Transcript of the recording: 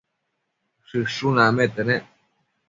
Shëshun acmete nec